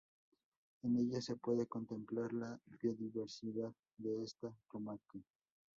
En ellas se puede contemplar la biodiversidad de esta comarca.